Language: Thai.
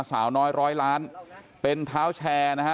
สาวน้อยร้อยล้านเป็นเท้าแชร์นะฮะ